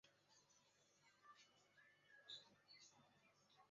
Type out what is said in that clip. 里弗代尔是位于美国加利福尼亚州弗雷斯诺县的一个人口普查指定地区。